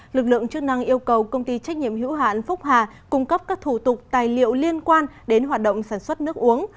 lực lượng chức năng yêu cầu công ty trách nhiệm hữu hạn phúc hà cung cấp các thủ tục tài liệu liên quan đến hoạt động sản xuất nước uống